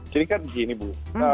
jadi kan gini bu